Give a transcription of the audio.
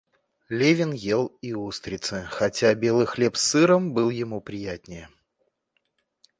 Левин ел и устрицы, хотя белый хлеб с сыром был ему приятнее.